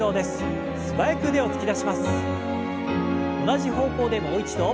同じ方向でもう一度。